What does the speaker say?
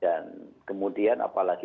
dan kemudian apalagi